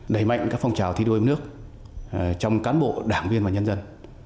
đẩy mạnh các phong trào thi đua nước trong cán bộ đảng viên và nhân dân